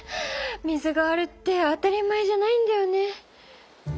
水があるって当たり前じゃないんだよね。